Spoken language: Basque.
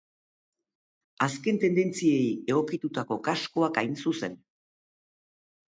Azken tendentziei egokitutako kaskoak, hain zuzen.